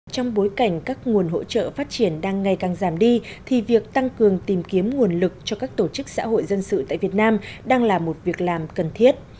trong bối cảnh các nguồn hỗ trợ phát triển đang ngày càng giảm đi thì việc tăng cường tìm kiếm nguồn lực cho các tổ chức xã hội dân sự tại việt nam đang là một việc làm cần thiết